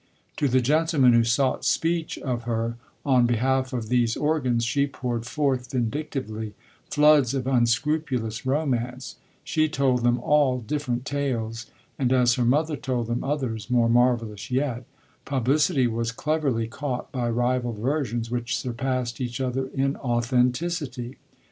To the gentlemen who sought speech of her on behalf of these organs she poured forth, vindictively, floods of unscrupulous romance; she told them all different tales, and, as her mother told them others more marvellous yet, publicity was cleverly caught by rival versions, which surpassed each other in authenticity.